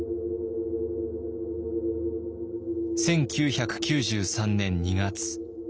１９９３年２月。